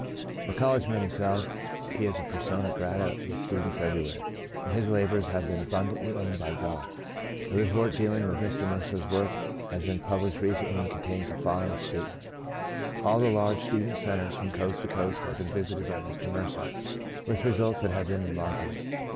A col lege man himself, he is persona grata with students everywhere ; and his labours have been abundandy owned by God. A report dealing with Mr. Mercer's work has been published recendy and contains the following statement: All the large student centres from coast to coast have been visited by Mr. Mercer, with results that have been remark 150 By a Great Deliverance 151 able.